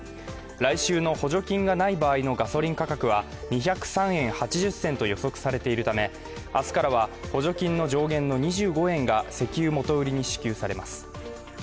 来週の補助金がない場合のガソリン価格は２０３円８０銭に予測されているため、明日からは補助金の上限の２５円が石油元売りに支給されます。